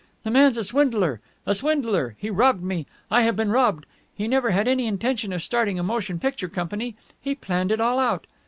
"The man's a swindler! A swindler! He's robbed me! I have been robbed! He never had any intention of starting a motion picture company. He planned it all out...!"